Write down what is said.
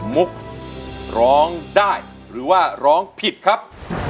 มุกร้องได้หรือว่าร้องผิดครับ